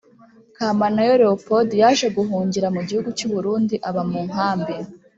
Kamanayo leopord yaje guhungira mu gihugu cy u burundi aba mu nkambi